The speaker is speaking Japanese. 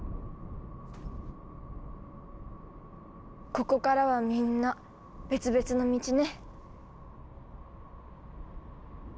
ここからはみんな別々の道ね。